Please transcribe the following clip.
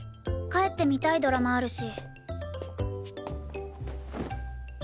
帰って見たいドラマあるし。